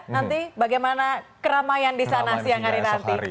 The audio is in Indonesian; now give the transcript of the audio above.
nanti bagaimana keramaian di sana siang hari nanti